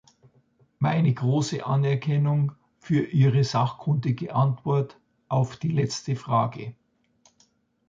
Meine große Anerkennung für Ihre sachkundige Antwort auf die letzte Frage!